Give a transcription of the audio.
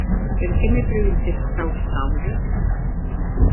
Per qué me preguntes taus causes?